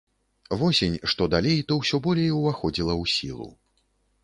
Восень, што далей, то ўсё болей уваходзіла ў сілу.